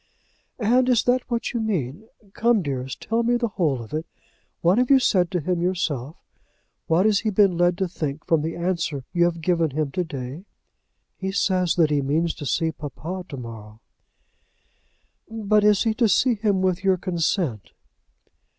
"And is that what you mean? Come, dearest, tell me the whole of it. What have you said to him yourself? What has he been led to think from the answer you have given him to day?" "He says that he means to see papa to morrow." "But is he to see him with your consent?"